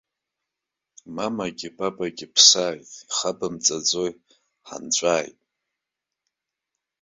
Мамагьы папагьы ԥсааит, ихабымҵаӡои, ҳанҵәааит!